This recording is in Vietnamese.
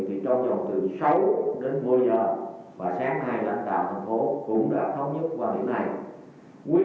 trong vòng từ sáu đến một mươi giờ và sáng hai lãnh tạo thành phố cũng đã thống nhất qua việc này